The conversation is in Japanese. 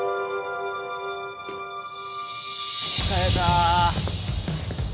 疲れた。